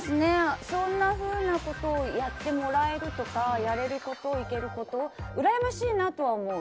そんなふうなことをやってもらえるとかやれること、行けることうらやましいなと思う。